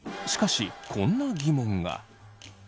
しかしこんな疑問が。